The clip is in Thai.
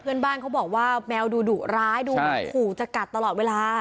เพื่อนบ้านเขาบอกว่าแมวดูดุร้ายดูเหมือนขู่จะกัดตลอดเวลา